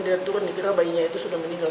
dia turun dikira bayinya itu sudah meninggal